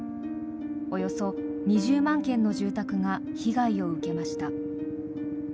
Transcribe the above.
およそ２０万軒の住宅が被害を受けました。